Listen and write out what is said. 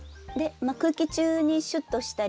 空気中にシュッとしたり。